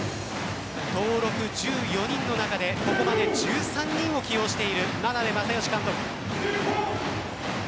登録１４人の中でここまで１３人を起用している眞鍋政義監督。